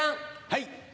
はい。